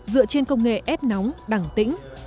dựa trên công nghệ ép nóng đẳng tĩnh